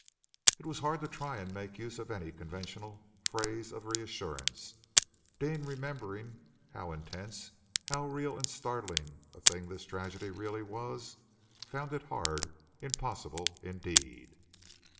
It was hard to try and make use of any conventional phrase of reassurance. Deane, remembering how intense, how real and startling a thing this tragedy really was, found it hard, impossible, indeed.